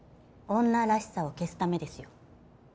女らしさを消すためですよ